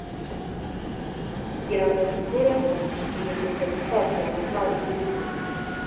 Kugirango abigereho, yiyemeza gutatira abavandimwe,